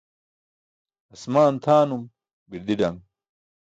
Aasmaan tʰaanum, birdi daṅ